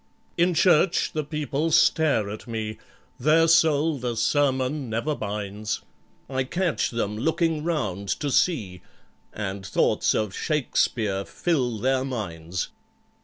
"In church the people stare at me, Their soul the sermon never binds; I catch them looking round to see, And thoughts of SHAKESPEARE fill their minds.